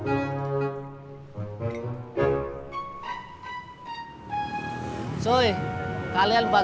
terima kasih teman teman